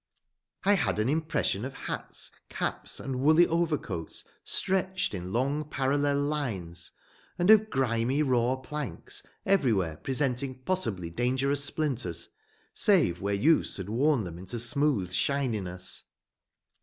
I had an impression of hats, caps, and woolly overcoats stretched in long parallel lines, and of grimy raw planks everywhere presenting possibly dangerous splinters, save where use had worn them into smooth shininess.